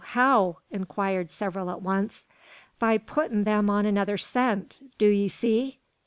how?" inquired several at once. "By puttin' them on another scent, do 'ee see?"